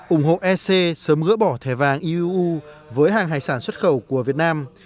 ủng hộ ec sớm gỡ bỏ thẻ vàng iuu với hàng hải sản xuất khẩu của việt nam